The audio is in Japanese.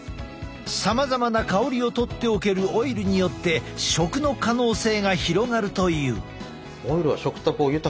さまざまな香りを取っておけるオイルによって食の可能性が広がるという。